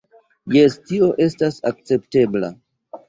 Jes, tio estas akceptebla